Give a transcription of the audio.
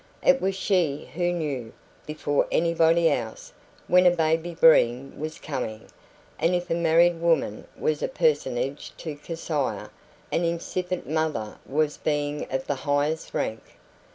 It was she who knew, before anybody else, when a baby Breen was coming and if a married woman was a personage to Keziah, an incipient mother was a being of the highest rank.